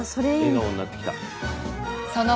笑顔になってきた。